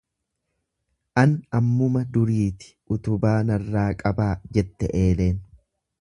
An ammuma duriiti utubaa narraa qabaa jette eeleen.